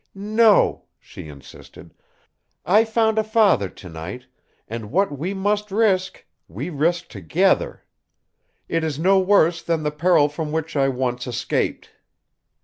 "No," she insisted. "I found a father to night and what we must risk we risk together. It is no worse than the peril from which I once escaped."